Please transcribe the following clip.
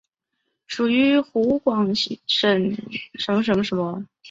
属于湖广行省广西两江道宣慰司。